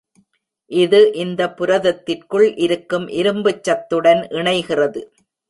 இது இந்த புரதத்திற்குள் இருக்கும் இரும்புச்சத்துடன் இணைகிறது.